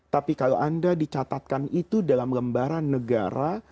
tapi kalau anda dicatatkan itu dalam lembaran negara